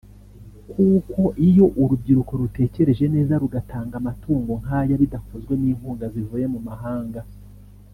kuko iyo urubyiruko rutekereje neza rugatanga amatungo nk’aya bidakozwe n’inkunga zivuye mu mahanga